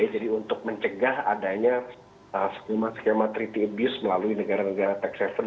jadi untuk mencegah adanya skema treaty abuse melalui negara negara tax haven